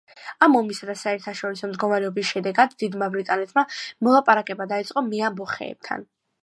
ამ ომისა და საერთაშორისო მდგომარეობის შედეგად დიდმა ბრიტანეთმა მოლაპარაკება დაიწყო მეამბოხეებთან.